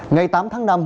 ngày tám tháng năm